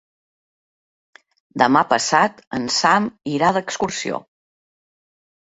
Demà passat en Sam irà d'excursió.